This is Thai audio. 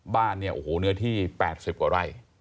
บ้านเนื้อที่๘๐กว่าไร้